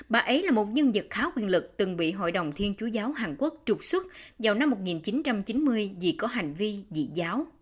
bà ấy là một nhân vật khá quyền lực từng bị hội đồng thiên chúa giáo hàn quốc trục xuất vào năm một nghìn chín trăm chín mươi vì có hành vi dị giáo